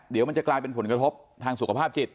เดี๋ยวมันจะกลายเป็นผลกระทบทางสุขภาพจิต